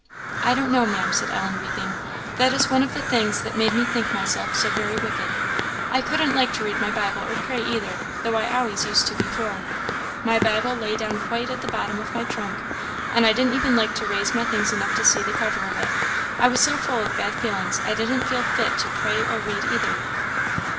"I don't know, Maam," said Ellen, weeping "that is one of the things that made me think myself so very wicked. I couldn't like to read my Bible or pray either, though I always used to before. My Bible lay down quite at the bottom of my trunk, and I even didn't like to raise my things enough to see the cover of it. I was so full of bad feelings, I didn't feel fit to pray or read either."